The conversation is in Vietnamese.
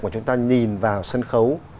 mà chúng ta nhìn vào sân khấu